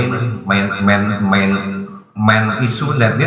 isu utama yang perlu dihadapi